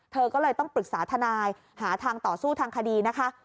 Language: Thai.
เธอก็เลยต้องปรึกษาทนายหาทางต่อสู้ทางคดีนะคะ